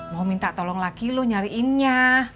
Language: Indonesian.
mau minta tolong lagi lu nyariinnya